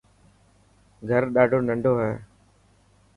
گھر ڏاڌو ننڊ هي.